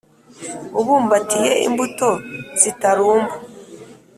Ubumbatiye imbuto zitarumba